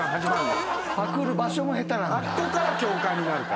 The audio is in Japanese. あっこから教官になるから。